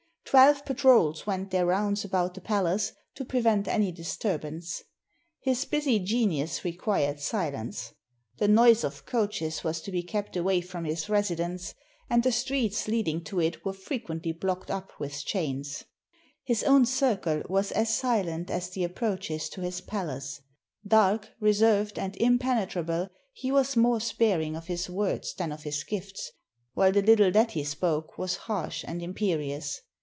Twelve patrols went their rounds about the pal ace, to prevent any disturbance. His busy genius re quired silence. The noise of coaches was to be kept away from his residence, and the streets leading to it were fre 299 AUSTRIA HUNGARY quently blocked up with chains. His own circle was as silent as the approaches to his palace: dark, reserved, and impenetrable, he was more sparing of his words than of his gifts; while the little that he spoke was harsh and imperious.